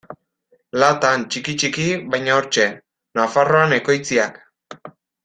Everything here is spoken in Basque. Latan, txiki-txiki, baina hortxe: Nafarroan ekoitziak.